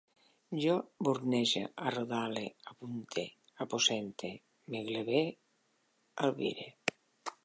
Jo bornege, arrodale, apunte, aposente, m'agleve, albire